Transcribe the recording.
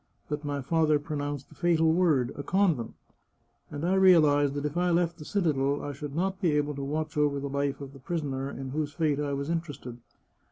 But my father pronounced the fatal word, * a convent,' and I realized that if I left the citadel, I should not be able to watch over the life of the prisoner in whose fate I was interested.